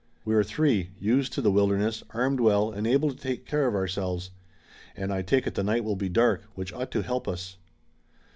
We're three, used to the wilderness, armed well and able to take care of ourselves. And I take it the night will be dark, which ought to help us."